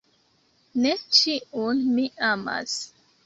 Ne ĉiun mi amas.